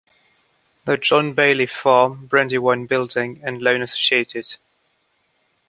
The John Bailey Farm, Brandywine Building and Loan Assoc.